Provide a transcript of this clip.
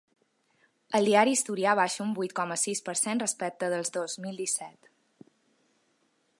El diari asturià baixa un vuit coma sis per cent respecte del dos mil disset.